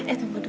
eh tunggu dulu